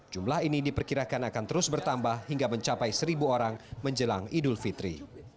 jumlah ini diperkirakan akan terus bertambah hingga mencapai seribu orang menjelang idul fitri